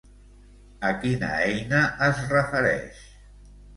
A quina eina es refereix?